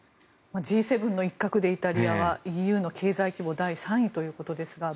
Ｇ７の一角でイタリアはＥＵの経済規模第３位ということですが。